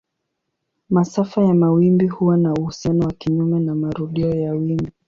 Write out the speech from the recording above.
Masafa ya mawimbi huwa na uhusiano wa kinyume na marudio ya wimbi.